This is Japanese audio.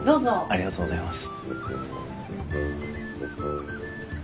ありがとうございます。